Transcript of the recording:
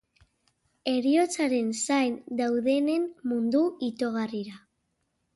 Heriotzaren zain daudenen mundu itogarrira.